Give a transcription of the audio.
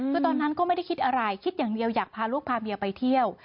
คือตอนนั้นก็ไม่ได้คิดอะไรคิดอย่างเดียวอยากพาลูกพาเมียไปเที่ยว